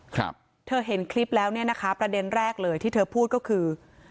ครับเธอเห็นคลิปแล้วเนี่ยนะคะประเด็นแรกเลยที่เธอพูดก็คือ